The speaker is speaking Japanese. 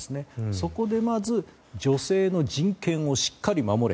そこでまず、女性の人権をしっかり守れ。